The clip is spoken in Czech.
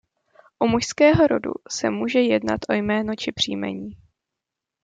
U mužského rodu se může jednat o jméno či příjmení.